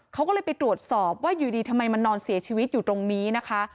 เขาก็เลยไปตรวจสอบว่าอยู่ดีทำไมมันนอนเสียชีวิตอยู่ตรงนี้นะคะ